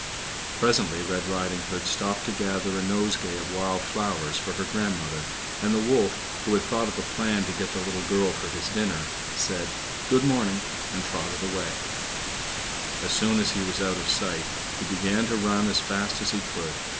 Presently Red Riding Hood stopped to gather a nosegay of wild flowers for her grandmother, and the wolf, who had thought of a plan to get the little girl for his dinner, said "Good morning," and trotted away. As soon as he was out of sight, he began to run as fast as he could.